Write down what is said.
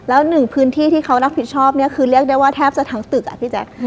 แล้วหนึ่งพื้นที่ที่เขารับผิดชอบเนี่ยคือเรียกได้ว่าแทบจะทั้งตึกอ่ะพี่แจ๊ค